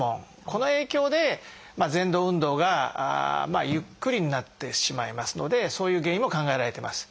この影響でぜん動運動がゆっくりになってしまいますのでそういう原因も考えられてます。